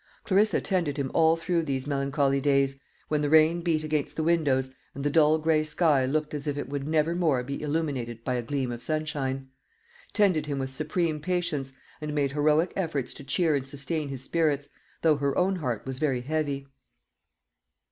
Clarissa tended him all through these melancholy days, when the rain beat against the windows and the dull gray sky looked as if it would never more be illuminated by a gleam of sunshine; tended him with supreme patience, and made heroic efforts to cheer and sustain his spirits, though her own heart was very heavy.